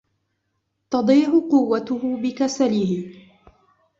تَضِيعُ قُوَّتُهُ بِكَسَلِهِ